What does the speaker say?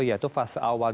yaitu fase awal gerhana